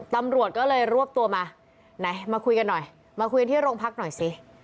ตำรวจก็เลยรวบตัวมาไหนมาคุยกันหน่อยมาคุยกันที่โรงพักหน่อยสิ